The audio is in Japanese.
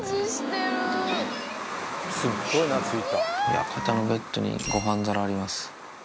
親方のベッドにごはん皿あります。